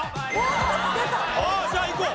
じゃあいこう！